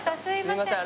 すいません